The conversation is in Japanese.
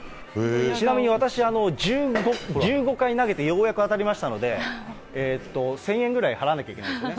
ちなみに私、１５回投げてようやく当たりましたので、１０００円ぐらい払わなきゃいけないんですね。